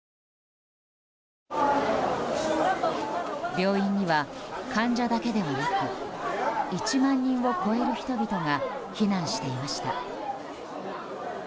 病院には、患者だけではなく１万人を超える人々が避難していました。